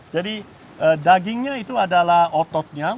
jadi dagingnya itu adalah ototnya